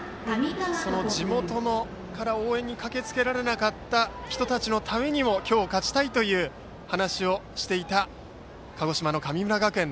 その地元から応援に駆けつけられなかった人たちのためにも今日、勝ちたいという話をしていた鹿児島の神村学園。